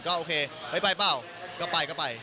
ก็โอเคไปเปล่าก็ไป